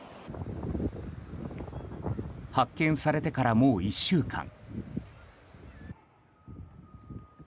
発見されてから、もう１週間。